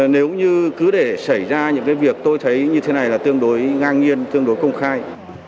nếu như cứ để xảy ra những cái việc tôi thấy như thế này là tương đối ngang nhiên tương đối công khai